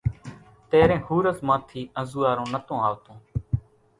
تيرين ۿورز مان ٿي انزوئارون نتون آوتون